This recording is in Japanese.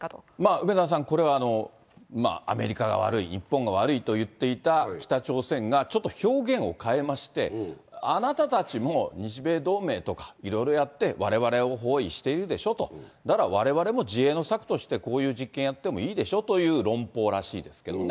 梅沢さん、これはアメリカが悪い、日本が悪いといっていた北朝鮮が、ちょっと表現を変えまして、あなたたちも日米同盟とかいろいろやって、われわれを包囲しているでしょと、だからわれわれも自衛の策として、こういう実験やってもいいでしょという論法らしいですけれどもね。